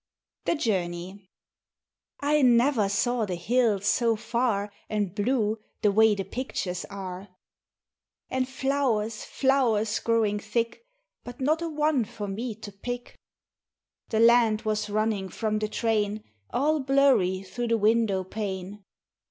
The Journey I never saw the hills so far And blue, the way the pictures are; And flowers, flowers growing thick, But not a one for me to pick! The land was running from the train, All blurry through the window pane.